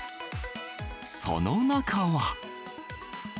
その中は。